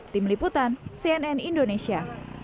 tim liputan cnn indonesia